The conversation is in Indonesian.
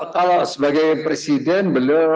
kalau sebagai presiden beliau